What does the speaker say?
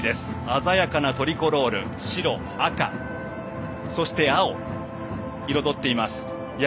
鮮やかなトリコロール白、赤、そして青彩っています。